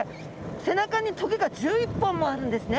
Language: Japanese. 背中に棘が１１本もあるんですね。